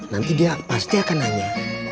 nanti dia pasti akan nanya